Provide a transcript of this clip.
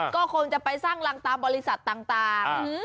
ก็คงจะไปสร้างรังตามบริษัทต่าง